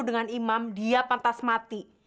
dengan imam dia pantas mati